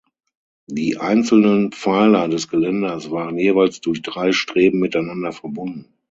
Die einzelnen Pfeiler des Geländers waren jeweils durch drei Streben miteinander verbunden.